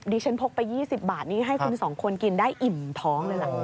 ที่ฉันพกไป๒๐บาทนี้ให้คุณสองคนกินได้อิ่มท้องเลยล่ะ